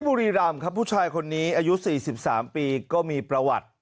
บุรีรำครับผู้ชายคนนี้อายุ๔๓ปีก็มีประวัติ